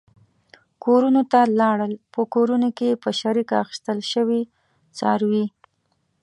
کورونو ته لاړل، په کورونو کې په شریکه اخیستل شوي څاروي.